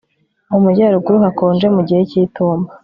Mu majyaruguru hakonje mu gihe cyitumba